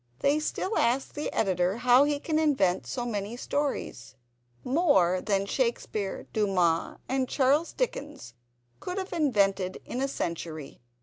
They still ask the Editor how he can invent so many stories—more than Shakespeare, Dumas, and Charles Dickens could have invented in a century.